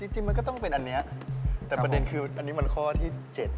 จริงมันก็ต้องเป็นอันนี้แต่ประเด็นคืออันนี้มันข้อที่๗